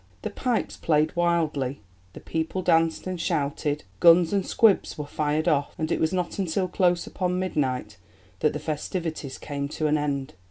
The pipes played wildly, the people danced and shouted, guns and squibs were fired off, and it was not until close upon midnight that the festivities came to an end.